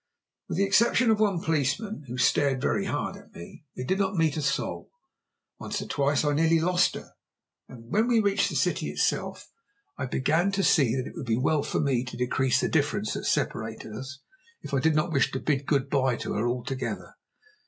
With the exception of one policeman, who stared very hard at me, we did not meet a soul. Once or twice I nearly lost her, and when we reached the city itself I began to see that it would be well for me to decrease the difference that separated us, if I did not wish to bid good bye to her altogether.